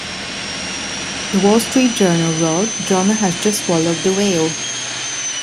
The "Wall Street Journal" wrote, "Jonah has just swallowed the whale.